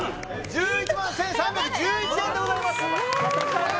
１１万１３１１円でございますすごい！